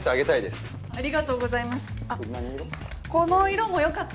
この色もよかったら。